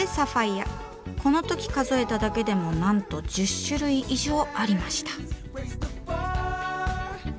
この時数えただけでもなんと１０種類以上ありました。